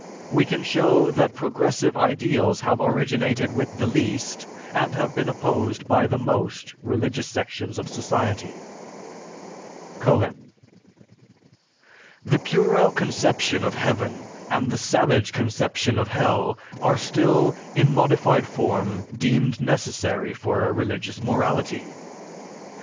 We can show that progressive ideals have originated with the least, and have been opposed by the most religious sections of society." (Cohen.) The puerile conception of heaven and the savage conception of hell are still, in modified form, deemed necessary for a religious morality.